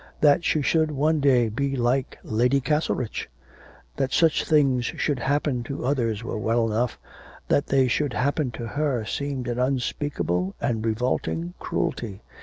That she should one day be like Lady Castlerich! That such things should happen to others were well enough; that they should happen to her seemed an unspeakable and revolting cruelty.